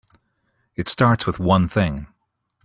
It starts with one thing.